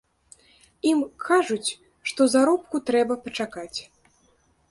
Ім кажуць, што заробку трэба пачакаць.